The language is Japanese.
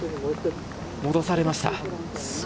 戻されました。